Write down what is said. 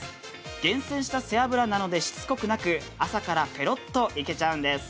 厳選した背脂なのでしつこくなく朝からぺろっといけちゃうんです。